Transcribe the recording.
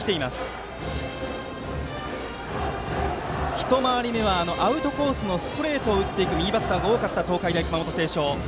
一回り目はアウトコースのストレートを打っていく右バッターが多かった東海大熊本星翔。